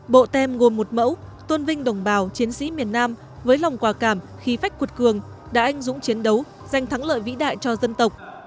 bộ tem gồm một mẫu tôn vinh đồng bào chiến sĩ miền nam với lòng quả cảm khi phách quật cường đã anh dũng chiến đấu giành thắng lợi vĩ đại cho dân tộc